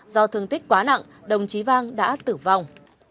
do thương tích quá nặng đồng chí vang đã tử vong